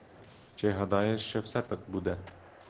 Чи гадаєш, що все так буде?